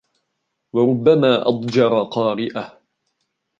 وَرُبَّمَا أَضْجَرَ قَارِئَهُ